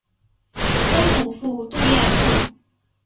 曾祖父杜彦父。